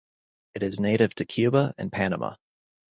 It is native to Cuba and Panama.